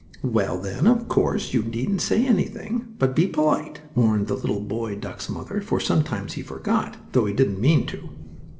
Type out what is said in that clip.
"Well, then, of course, you needn't say anything; but be polite," warned the little boy duck's mother, for sometimes he forgot, though he didn't mean to.